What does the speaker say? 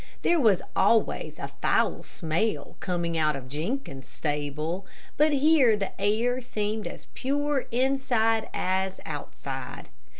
There was always a foul smell coming out of Jenkins's stable, but here the air seemed as pure inside as outside.